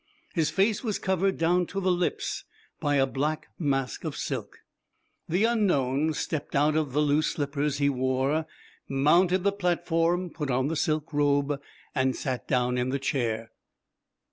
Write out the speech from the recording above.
His face was covered down to the lips by a black mask of silk. The unknown stepped out of the loose slippers he wore, mounted the platform, put on the silk robe, and sat down in the chair.